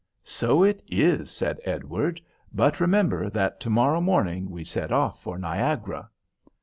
"So it is," said Edward; "but remember that to morrow morning we set off for Niagara."